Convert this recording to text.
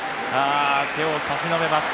手を差し伸べます。